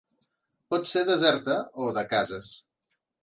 Pot ser deserta o de cases.